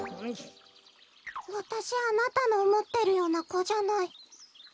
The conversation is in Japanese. わたしあなたのおもってるようなこじゃない。